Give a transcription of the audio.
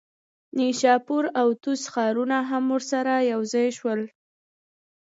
نیشاپور او طوس ښارونه هم ورسره یوځای شول.